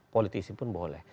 politisi pun boleh